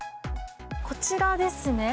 こちらですね。